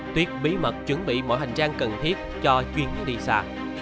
tuyết bí mật chuẩn bị mọi hành trang cần thiết cho chuyến đi xa